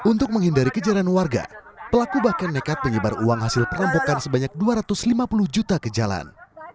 untuk menghindari kejaran warga pelaku bahkan nekat menyebar uang hasil perampokan sebanyak dua ratus lima puluh juta ke jalan